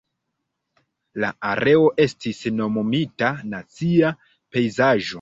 La areo estis nomumita Nacia Pejzaĝo.